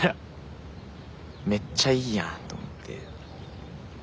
めっちゃいいやんと思って。